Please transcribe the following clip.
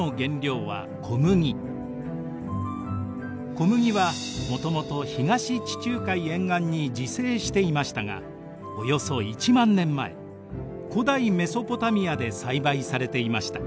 小麦はもともと東地中海沿岸に自生していましたがおよそ１万年前古代メソポタミアで栽培されていました。